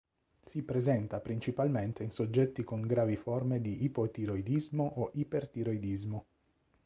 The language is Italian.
Si presenta principalmente in soggetti con gravi forme di ipotiroidismo o ipertiroidismo.